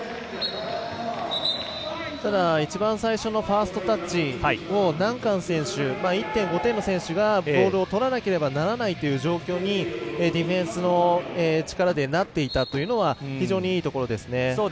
一番最初のファーストタッチをナンカン選手、１．５点の選手がボールをとらなければならないという状況にディフェンスの力でなっていたというのは非常にいいところですね。